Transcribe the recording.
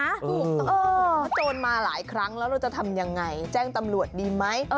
ถูกต้องเพราะโจรมาหลายครั้งแล้วเราจะทำยังไงแจ้งตำรวจดีไหม